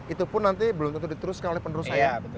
itu pun nanti belum tentu diteruskan oleh penerus saya